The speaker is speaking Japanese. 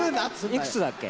いくつだっけ？